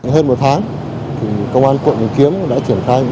hơn một tháng công an quận bình kiếm đã triển khai